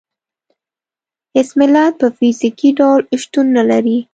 هېڅ ملت په فزیکي ډول شتون نه لري.